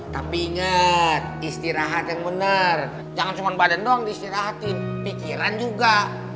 tapi inget istirahat yang bener jangan cuma badan dong istirahatin pikiran juga